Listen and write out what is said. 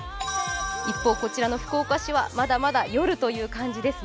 一方、こちらの福岡市はまだまだ夜という感じですね。